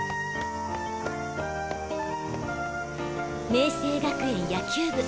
明青学園野球部